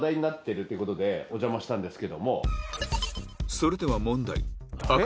それでは問題誰よ？